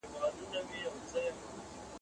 که باد ډېر وي کاغذباد ښه البوځي.